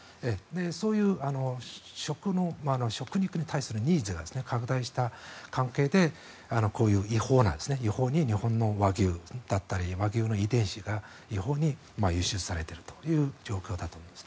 そういう食肉に対するニーズが拡大した関係でこういう、違法に日本の和牛だったり和牛の遺伝子が違法に輸出されているという状況だと思います。